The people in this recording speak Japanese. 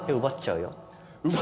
「奪っちゃうよ」